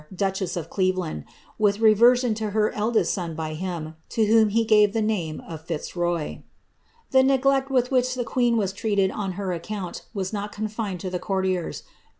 duchess of Cleveland, with reversion to her eldest son by hinif to whoB be gave the name of Fitzroy. The neglect with which the qneen wis trf*ated on her account was not confined to the courtiers.